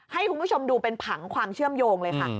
ให้คุณผู้ชมดูเป็นผังความเชื่อมโยงเลยค่ะ